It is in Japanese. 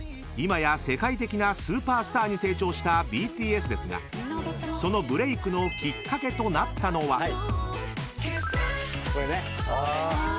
［今や世界的なスーパースターに成長したＢＴＳですがそのブレークのきっかけとなったのは］